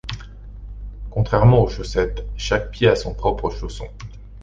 Contrairement aux chaussettes, chaque pied a son propre chausson.